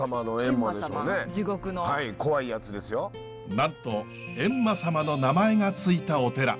なんと閻魔様の名前が付いたお寺。